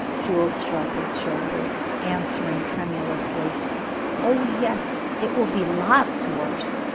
Jules shrugged his shoulders, answering tremulously, "Oh, yes, it will be lots worse.